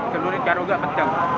selurit kalau nggak kencang